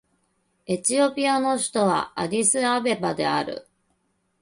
エチオピアの首都はアディスアベバである